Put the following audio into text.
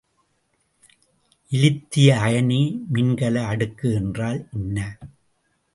இலித்திய அயனி மின்கல அடுக்கு என்றால் என்ன?